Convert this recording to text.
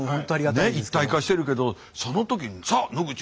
ねっ一体化してるけどその時「さあ野口五郎黒部五郎